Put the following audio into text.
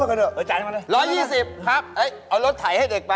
บ้า